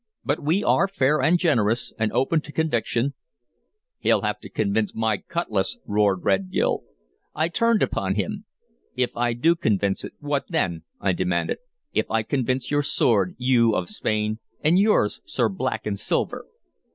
But we are fair and generous and open to conviction" "He'll have to convince my cutlass!" roared Red Gil. I turned upon him. "If I do convince it, what then?" I demanded. "If I convince your sword, you of Spain, and yours, Sir Black and Silver?"